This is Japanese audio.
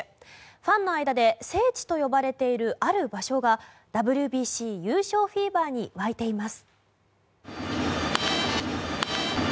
ファンの間で聖地と呼ばれているある場所がＷＢＣ優勝フィーバーに沸いています。